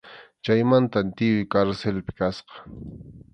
Chaymantam tiyuy karsilpi kasqa.